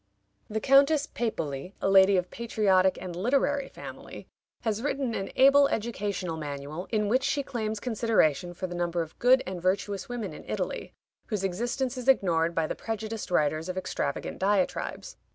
The Countess Pepoli, a lady of patriotic and literary family, has written an able educational manual, in which she claims consideration for the number of "good and virtuous women" in Italy, whose existence is ignored by the prejudiced writers of extravagant diatribes.